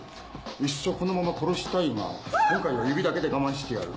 いっそこのまま殺したいが今回は指だけで我慢してやる。